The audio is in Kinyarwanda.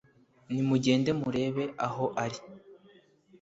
Ni mugende murebe aho ari